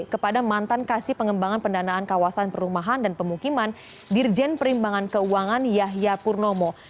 kepada mantan kasih pengembangan pendanaan kawasan perumahan dan pemukiman dirjen perimbangan keuangan yahya purnomo